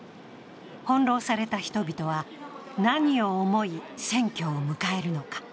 翻弄された人々は何を思い、選挙を迎えるのか。